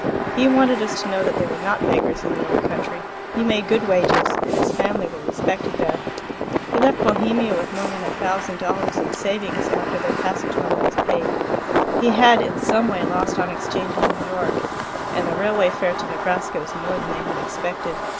He wanted us to know that they were not beggars in the old country; he made good wages, and his family were respected there. He left Bohemia with more than a thousand dollars in savings, after their passage money was paid. He had in some way lost on exchange in New York, and the railway fare to Nebraska was more than they had expected.